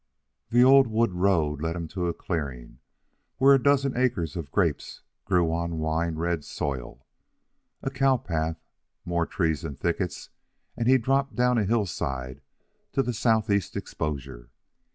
The old wood road led him to a clearing, where a dozen acres of grapes grew on wine red soil. A cow path, more trees and thickets, and he dropped down a hillside to the southeast exposure.